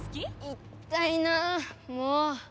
いったいなもう！